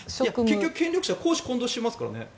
結局、権力者は公私混同しますからね。